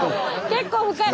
結構深い。